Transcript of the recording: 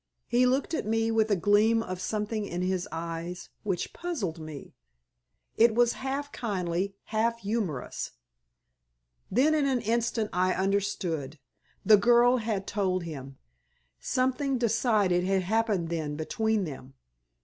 He looked at me with a gleam of something in his eyes which puzzled me. It was half kindly, half humorous. Then in an instant I understood. The girl had told him. Something decided had happened then between them.